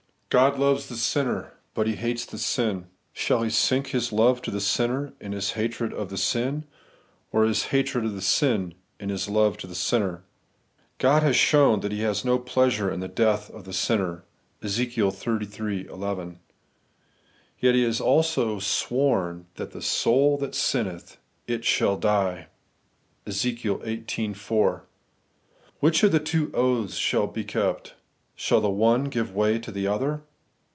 God loves the sinner; but He hateathesiii. Shall He sink His love to the sinner in His hatred of the sin, or His hatred of the sin in His love to the sinner ? God has sworn that He has no pleasure in the death of the sinner (Ezek. xxxiii. 11) ; yet He has also sworn that the soul that sinnetb, it shall die (Ezek. xviii. 4). Which of the two oaths shall be kept ? Shall the one give way to the other